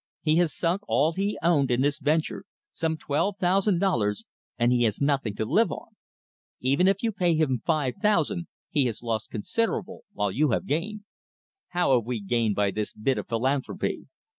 He has sunk all he owned in this venture, some twelve thousand dollars, and he has nothing to live on. Even if you pay him five thousand, he has lost considerable, while you have gained." "How have we gained by this bit of philanthropy?"